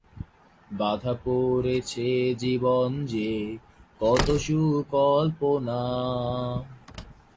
এটি কলকাতা তাজমহল ফিল্মস প্রযোজিত প্রথম বাংলা চলচ্চিত্র।